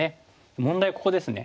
問題はここですね。